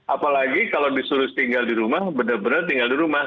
apalagi kalau disuruh tinggal di rumah benar benar tinggal di rumah